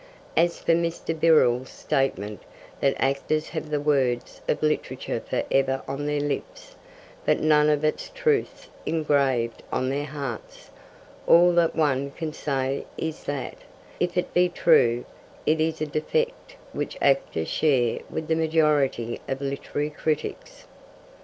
As for Mr. Birrell's statement that actors have the words of literature for ever on their lips, but none of its truths engraved on their hearts, all that one can say is that, if it be true, it is a defect which actors share with the majority of literary critics.